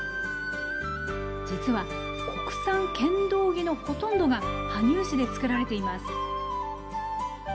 実は、国産剣道着のほとんどが羽生市で作られています。